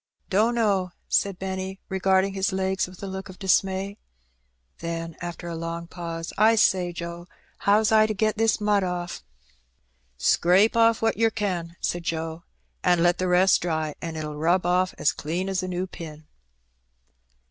"Dunno,'^ said Benny, regarding his legs with a look of dismay. Then, after a long pause, "1 say, Joe, how's I to get this mud off?" "Scrape off what yer can," said Joe, "and let the rest dry, and it'll rub off as clean as a new pin."